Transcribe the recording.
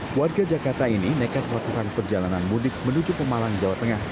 keluarga jakarta ini nekat melakukan perjalanan mudik menuju pemalang jawa tengah